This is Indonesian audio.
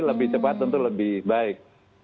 lebih cepat tentu lebih baik